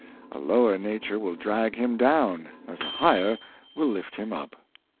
A lower nature will drag him down, as a higher will lift him up.